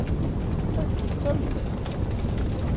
Ad tt-amnen?